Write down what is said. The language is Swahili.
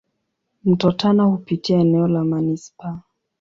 Mto Tana hupitia eneo la manispaa.